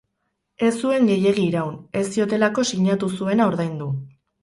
Ez zuen gehiegi iraun, ez ziotelako sinatu zuena ordaindu.